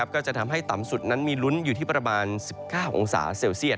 ก็จะทำให้ต่ำสุดนั้นมีลุ้นอยู่ที่ประมาณ๑๙องศาเซลเซียต